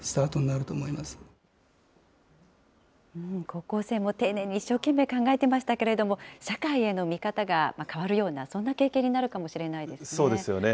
高校生も丁寧に一生懸命考えてましたけれども、社会への見方が変わるような、そんな経験になるかもしれないですね。